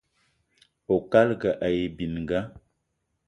Oukalga aye bininga